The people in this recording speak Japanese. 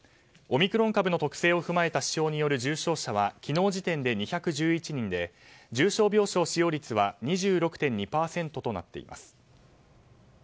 オミクロン株の特性を踏まえた指標による重症者は昨日時点で２１１人で重症病床使用率は２６．２％となっています。